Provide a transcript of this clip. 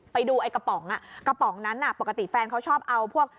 ไปดูกระป๋องนั้นปกติแฟนเขาชอบเอาพวก